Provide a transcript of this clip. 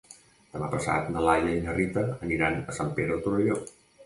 Demà passat na Laia i na Rita aniran a Sant Pere de Torelló.